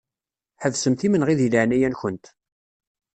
Ḥebsemt imenɣi di leɛnaya-nkent.